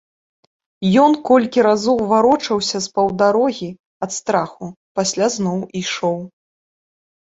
Ён колькі разоў варочаўся з паўдарогі, ад страху, пасля зноў ішоў.